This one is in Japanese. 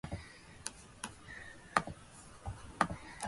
奄美